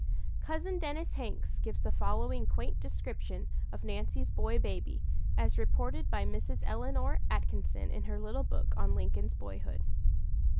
Cousin Dennis Hanks gives the following quaint description of "Nancy's boy baby," as reported by Mrs. Eleanor Atkinson in her little book on "Lincoln's Boyhood."